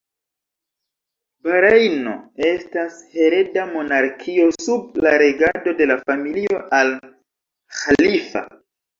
Barejno estas hereda monarkio sub la regado de la familio Al Ĥalifa.